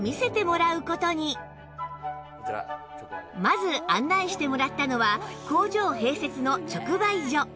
まず案内してもらったのは工場併設の直売所